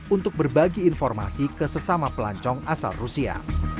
untuk berbagi informasi ke sesama pelancong asal rusia